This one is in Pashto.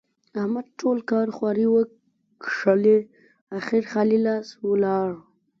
احمد ټول کال خواري وکښلې؛ اخېر خالي لاس ولاړ.